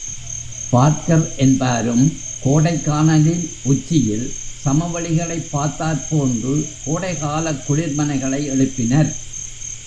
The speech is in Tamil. பார்க்கர் என்பாரும், கோடைக்கானலின் உச்சியில், சமவெளிகளைப் பார்த்தாற் போன்று கோடைக் காலக் குளிர்மனைகளை எழுப்பினர்.